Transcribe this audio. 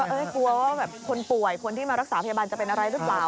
กลัวว่าแบบคนป่วยคนที่มารักษาพยาบาลจะเป็นอะไรหรือเปล่า